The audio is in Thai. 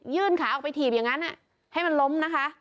ขาออกไปถีบอย่างนั้นให้มันล้มนะคะ